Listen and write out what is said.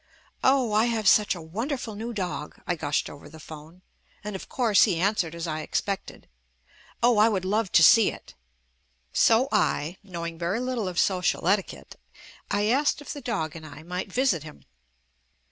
"Ooh, I have such a wonderful new dog," I gushed over the phone, and of course he answered as I expected, "Oh, I would love to see it." So I, knowing very little of social etiquette, I asked if the dog and I might visit him.